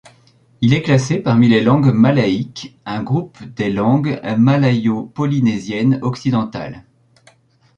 Il est classé est parmi les langues malaïques, un groupe des langues malayo-polynésiennes occidentales.